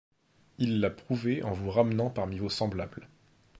Il l’a prouvé en vous ramenant parmi vos semblables.